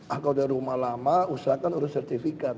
kalau udah rumah lama usahakan ngurus sertifikat